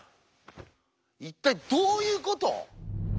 一体どういうこと？